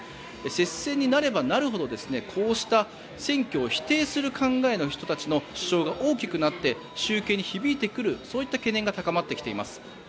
接戦になればなるほどこうした、選挙を否定する考えの人たちの主張が大きくなって集計に響いてくるそういった懸念が高まってきています。